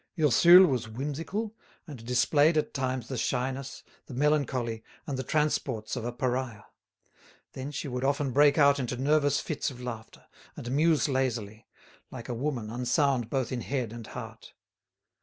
Ursule was whimsical, and displayed at times the shyness, the melancholy, and the transports of a pariah; then she would often break out into nervous fits of laughter, and muse lazily, like a woman unsound both in head and heart.